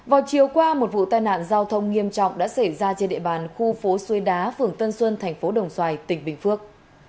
vào chiều qua một vụ tai nạn giao thông nghiêm trọng đã xảy ra trên địa bàn khu phố xuôi đá phường tân xuân thành phố đồng xoài tỉnh bình phước